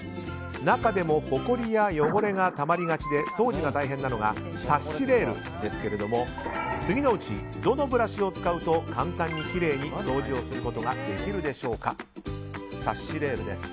中でもほこりや汚れがたまりがちで掃除が大変なのがサッシレールですが次のうち、どのブラシを使うと簡単にきれいに掃除することができるでしょうか。